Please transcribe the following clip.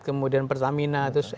kemudian pertamina terus